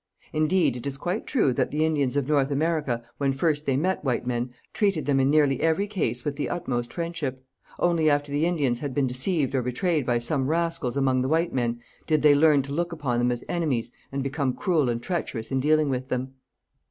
Indeed it is quite true that the Indians of North America, when first they met white men, treated them in nearly every case with the utmost friendship. Only after the Indians had been deceived or betrayed by some rascals among the white men did they learn to look upon them as enemies and become cruel and treacherous in dealing with them.